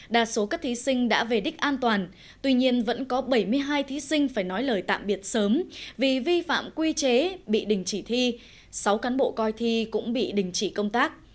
đa số các thí sinh đã về đích an toàn tuy nhiên vẫn có bảy mươi hai thí sinh phải nói lời tạm biệt sớm vì vi phạm quy chế bị đình chỉ thi sáu cán bộ coi thi cũng bị đình chỉ công tác